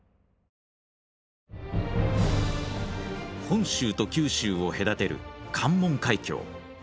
本州と九州を隔てる関門海峡。